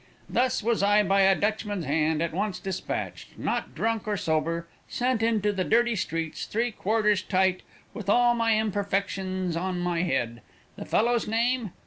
Thus was I by a Dutchman's hand at once dispatched not drunk or sober sent into the dirty streets three quarters tight, with all my imperfections on my head. The fellow's name?